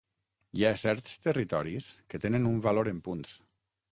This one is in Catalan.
Hi ha certs territoris que tenen un valor en punts.